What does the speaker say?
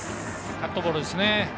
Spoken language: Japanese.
カットボールですね。